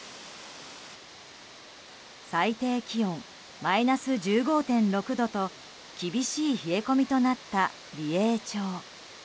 最低気温マイナス１５．６度と厳しい冷え込みとなった美瑛町。